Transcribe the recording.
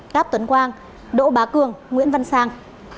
cáp tuấn quang đỗ bá cường nguyễn văn sang